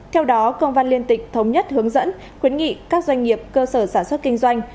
theo đó công văn liên tịch thống nhất hướng dẫn khuyến nghị các doanh nghiệp cơ sở sản xuất kinh doanh